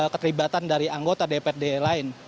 keterlibatan dari anggota dprd lain